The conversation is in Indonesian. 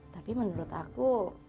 tapi menurut aku